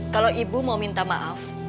kalau ibu mau minta maaf